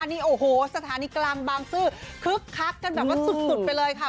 นี่โอ้โหสถานีกลางบางซื่อคึกคักกันแบบว่าสุดไปเลยค่ะ